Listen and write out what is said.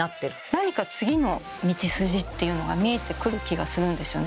何か次の道筋っていうのが見えてくる気がするんですよね。